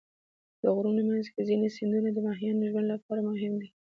د غرونو منځ کې ځینې سیندونه د ماهیانو ژوند لپاره مهم دي.